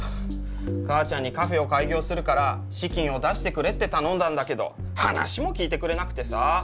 かあちゃんにカフェを開業するから資金を出してくれって頼んだんだけど話も聞いてくれなくてさ。